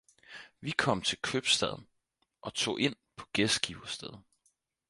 vi kom til købstaden og tog ind på gæstgiverstedet.